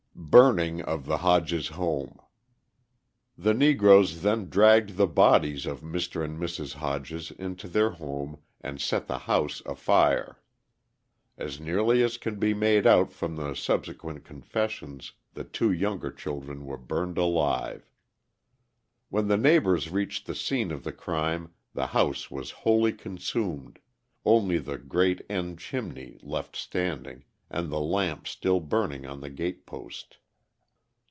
Burning of the Hodges Home The Negroes then dragged the bodies of Mr. and Mrs. Hodges into their home and set the house afire. As nearly as can be made out from the subsequent confessions, the two younger children were burned alive. When the neighbours reached the scene of the crime, the house was wholly consumed, only the great end chimney left standing, and the lamp still burning on the gate post.